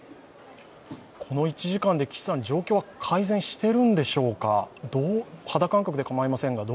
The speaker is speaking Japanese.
この１時間で状況は改善しているのでしょうか？